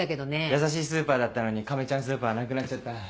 やさしいスーパーだったのにカメちゃんスーパーなくなっちゃった。